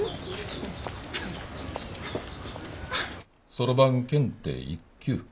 そろばん検定１級。